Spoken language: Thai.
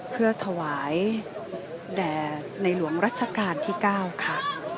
เพื่อถวายแด่ในหลวงรัชกาลที่๙ค่ะ